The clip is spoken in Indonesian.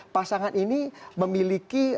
pasangan ini memiliki